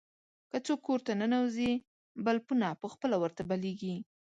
که څوک کور ته ننوځي، بلپونه په خپله ورته بلېږي.